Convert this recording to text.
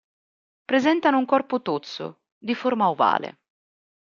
Presentano un corpo tozzo, di forma ovale.